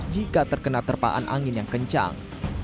jika terkena terpaan angin yang kencang